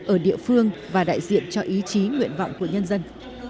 ở địa phương và đại diện cho ý chí nguyện vọng của nhân dân